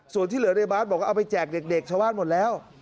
ส่วนที่เหลือในบาสบอกว่าเอาไปแจกเด็กชาวบ้านหมดแล้ว